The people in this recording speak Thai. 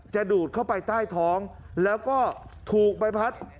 ดูดเข้าไปใต้ท้องแล้วก็ถูกใบพัด